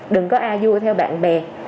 đừng có a vua theo bạn bè